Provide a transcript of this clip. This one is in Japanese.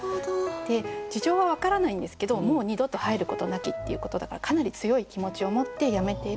事情は分からないんですけど「もう二度と入ることなき」っていうことだからかなり強い気持ちを持って辞めている。